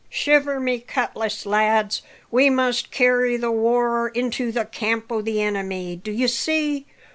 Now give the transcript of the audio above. "Shiver my cutlass, lads! we must carry the war into the camp o' the enemy, dye see'.